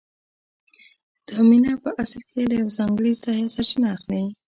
دا مینه په اصل کې له یو ځانګړي ځایه سرچینه اخلي